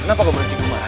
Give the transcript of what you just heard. kenapa kau berhenti gumara